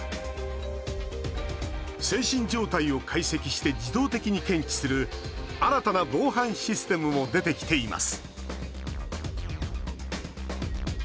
精神状態を解析して自動的に検知する新たな防犯システムも出てきています